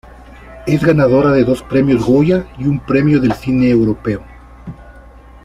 Es ganadora de dos Premios Goya y un Premio del Cine Europeo.